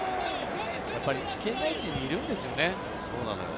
やっぱり危険な位置にいるんですよね。